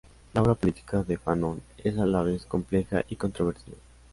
La obra política de Fanon es a la vez compleja y controvertida.